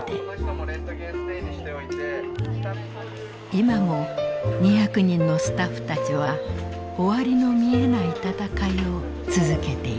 今も２００人のスタッフたちは終わりの見えない闘いを続けている。